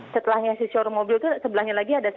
setelahnya si showroom mobil itu sebelahnya lagi ada